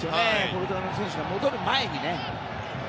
ポルトガルの選手が戻る前に。